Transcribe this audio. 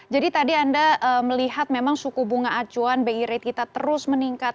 jadi tadi anda melihat memang suku bunga acuan bi rate kita terus meningkat